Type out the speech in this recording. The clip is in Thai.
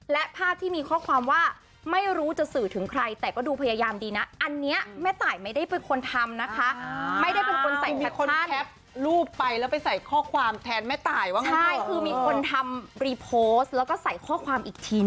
และภาพที่มีความว่า